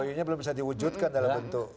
mou nya belum bisa diwujudkan dalam bentuk